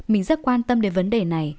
mình rất quan tâm đến vấn đề này